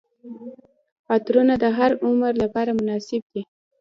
عطرونه د هر عمر لپاره مناسب دي.